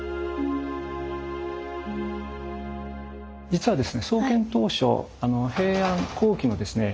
実はですね創建当初平安後期のですね